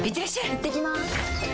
いってきます！